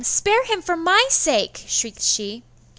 spare him for my sake!' shrieked she.